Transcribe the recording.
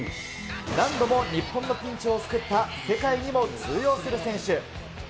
何度も日本のピンチを救った、世界にも通用する選手。